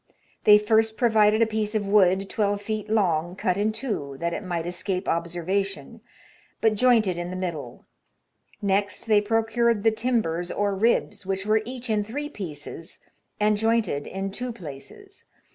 They first provided a piece of wood, twelve feet long, cut in two, that it might escape observation, but jointed in the middle. Next they procured the timbers or ribs, which were each in three pieces, and jointed in two places.